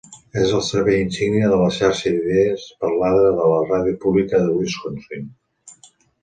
És el servei insígnia de la "xarxa d'idees" parlada de la ràdio pública de Wisconsin.